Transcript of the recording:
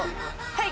はい。